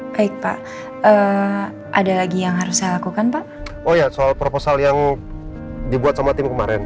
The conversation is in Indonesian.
baik pak ada lagi yang harus saya lakukan pak oh ya soal proposal yang dibuat sama tim kemarin